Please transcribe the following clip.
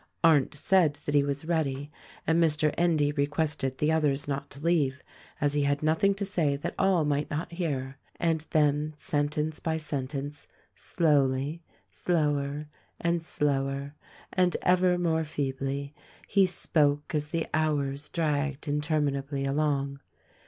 Arndt said that he was ready and Mr. Endy requested the others not to leave, as he had nothing to say that all might not hear; and then sentence by sentence, slowly, slower and slower and ever more feebly he spoke as the hours dragged interminably along.